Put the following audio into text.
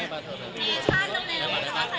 เนชั่นลงแล้ว